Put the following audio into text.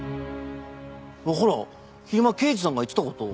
ほら昼間刑事さんが言ってた事。